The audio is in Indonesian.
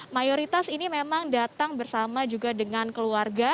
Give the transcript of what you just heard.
mayoritas ini memang datang bersama juga dengan keluarga